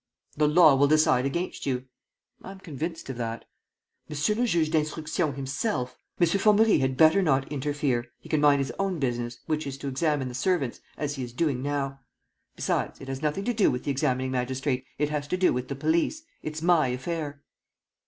"The law will decide against you." "I'm convinced of that." "Monsieur le Juge d'Instruction himself. ..." "M. Formerie had better not interfere. He can mind his own business, which is to examine the servants, as he is doing now. Besides, it has nothing to do with the examining magistrate, it has to do with the police. It's my affair."